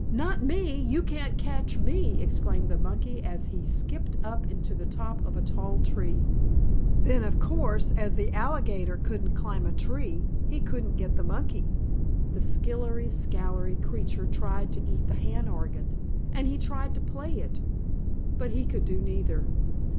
"Not me! You can't catch me!" exclaimed the monkey, as he skipped up into the top of a tall tree. Then, of course, as the alligator couldn't climb a tree he couldn't get the monkey. The skillery scallery creature tried to eat the hand organ, and he tried to play it, but he could do neither.